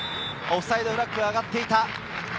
オフサイドフラッグが上がっていた。